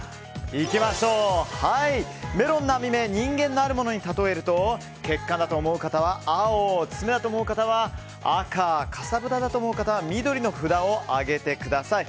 いきましょう、メロンの網目人間のあるものに例えると血管だと思う方は青爪だと思う人は赤かさぶただと思う人は緑の札を上げてください。